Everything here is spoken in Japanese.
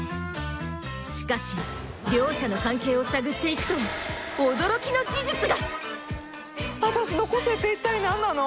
しかし両者の関係を探っていくと私の個性って一体何なの？